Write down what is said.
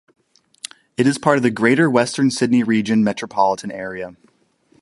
It is part of the Greater Western Sydney region, Metropolitan area.